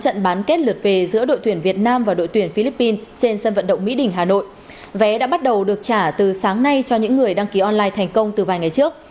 trận bán kết lượt về giữa đội tuyển việt nam và đội tuyển philippines trên sân vận động mỹ đình hà nội vé đã bắt đầu được trả từ sáng nay cho những người đăng ký online thành công từ vài ngày trước